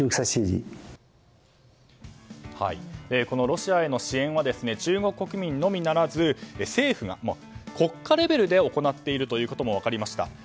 このロシアへの支援は中国国民のみならず政府が国家レベルで行っていることも分かりました。